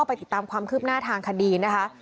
ไปติดตามความคืบหน้าทางคดีนะคะ